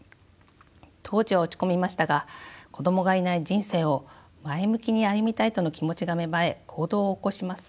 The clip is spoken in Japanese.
当時は落ち込みましたが子どもがいない人生を前向きに歩みたいとの気持ちが芽生え行動を起こします。